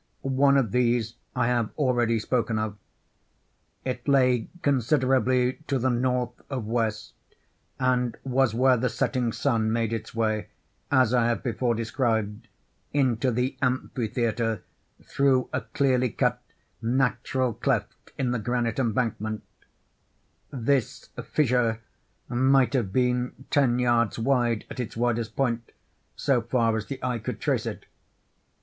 One of these I have already spoken of. It lay considerably to the north of west, and was where the setting sun made its way, as I have before described, into the amphitheatre, through a cleanly cut natural cleft in the granite embankment; this fissure might have been ten yards wide at its widest point, so far as the eye could trace it.